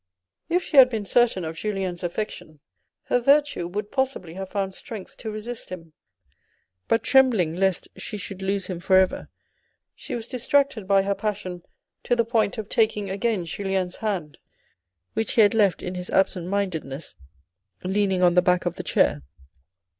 If she had been certain of Julien's affection, her virtue would possibly have found strength to resist him. But trembling lest she should lose him for ever, she was distracted by her passion to the point of taking again Julien's hand, which he had left in his absent mindedness leaning on the back of the chair.